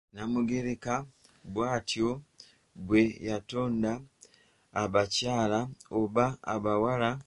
Nnamugereka bwatyo bwe yatonda abakyala oba abawala.